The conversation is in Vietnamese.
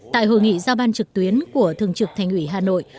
tại hội nghị giao ban trực tuyến của thường trực thành ủy hà nội